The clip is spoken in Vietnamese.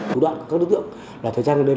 thủ đoạn của các đối tượng là thời gian gần đây